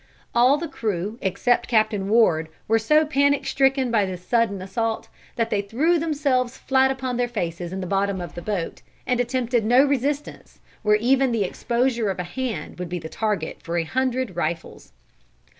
All the crew except Captain Ward were so panic stricken by this sudden assault, that they threw themselves flat upon their faces in the bottom of the boat, and attempted no resistance where even the exposure of a hand would be the target for a hundred rifles.